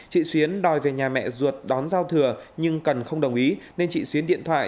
chị xuyến đòi về nhà mẹ ruột đón giao thừa nhưng cần không đồng ý nên chị xuyến điện thoại